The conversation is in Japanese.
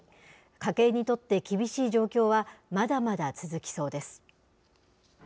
家計にとって厳しい状況はまだまだ続きそうです。